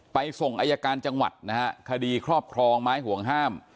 ส่งอายการจังหวัดนะฮะคดีครอบครองไม้ห่วงห้าม